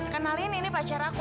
kenalin ini pacar aku